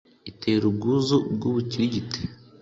Itera ubwuzu bw'urukirigite,